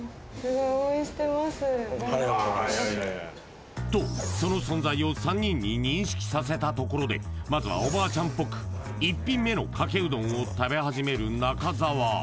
あとその存在を３人に認識させたところでまずはお婆ちゃんっぽく１品目のかけうどんを食べ始める中澤ま